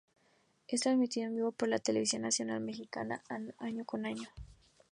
Es transmitido en vivo por la televisión nacional mexicana año con año.